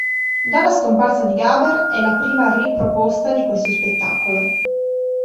Dalla scomparsa di Gaber, è la prima ri-proposta di questo spettacolo.